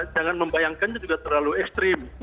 jangan membayangkannya juga terlalu ekstrim